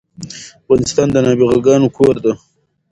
افغانستان د نابغه ګانو کور ده